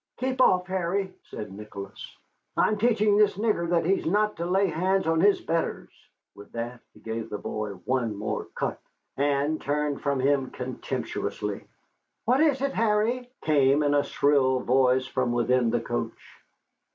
"Keep off, Harry," said Nicholas. "I am teaching this nigger that he is not to lay hands on his betters." With that he gave the boy one more cut, and turned from him contemptuously. "What is it, Harry?" came in a shrill voice from within the coach.